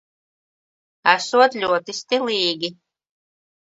Esot ļoti stilīgi.